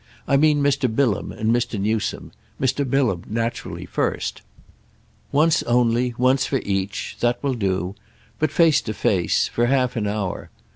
I mean Mr. Bilham and Mr. Newsome—Mr. Bilham naturally first. Once only—once for each; that will do. But face to face—for half an hour.